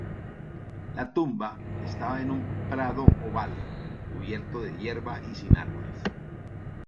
La tumba estaba en un prado oval, cubierto de hierba y sin árboles.